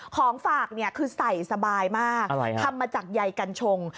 ของฝากเนี่ยคือใส่สบายมากทำมาจากใยกัญชง